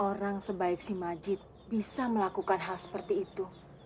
orang sebaik si majid bisa melakukan hal seperti itu